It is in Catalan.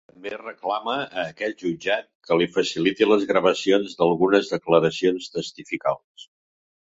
També reclama a aquest jutjat que li faciliti les gravacions d’algunes declaracions testificals.